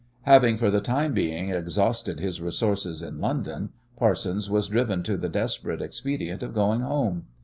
Having for the time being exhausted his resources in London, Parsons was driven to the desperate expedient of going home.